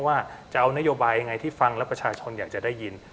ว่าจะเอานโยบายยังไงที่ฟังแล้วประชาชนอยากจะได้ยิน